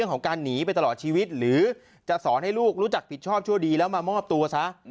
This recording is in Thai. ของการหนีไปตลอดชีวิตหรือจะสอนให้ลูกรู้จักผิดชอบชั่วดีแล้วมามอบตัวซะ